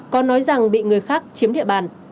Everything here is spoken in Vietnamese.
còn nói rằng bị người khác chiếm địa bàn